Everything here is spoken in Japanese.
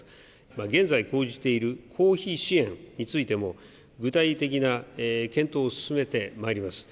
現在、講じている公費支援についても具体的な検討を進めてまいります。